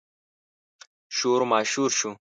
شور ماشور شو.